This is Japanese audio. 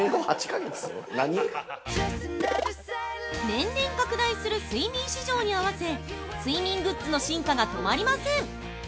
◆年々拡大する睡眠市場に合わせ睡眠グッズの進化が止まりません。